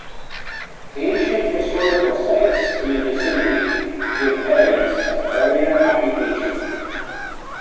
Ancient historical sites in the vicinity give evidence of earlier occupation.